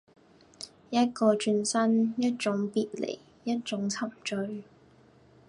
一個轉身，一種別離，一種沉醉